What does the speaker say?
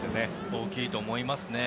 大きいと思いますね。